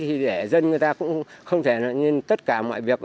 thì để dân người ta cũng không thể nên tất cả mọi việc